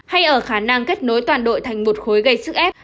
hay ở khả năng kết nối toàn đội thành một khối gây sức ép